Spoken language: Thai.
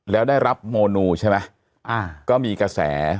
แล้วได้รับโมนูใช่ไหมอ่าก็มีกระแส